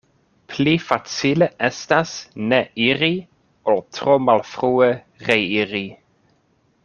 Pli facile estas ne iri, ol tro malfrue reiri.